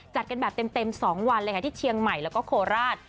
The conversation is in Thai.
จัดกันแบบเต็ม๒วันเลยค่ะที่เชียงใหม่แล้วก็โคราช